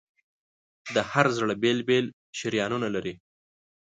د هر زړه بېل بېل شریانونه لري.